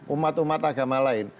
umat umat agama lain